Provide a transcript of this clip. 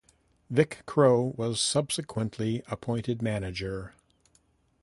Vic Crowe was subsequently appointed manager.